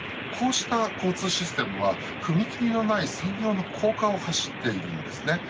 ただ、こうした交通システムは踏み切りのない専用の高架を走っています。